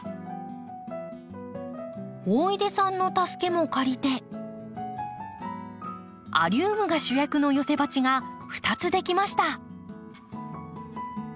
大出さんの助けも借りてアリウムが主役の寄せ鉢が２つ出来ました。